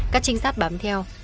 các trinh sát bám theo